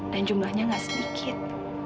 dan jumlahnya gak sedikit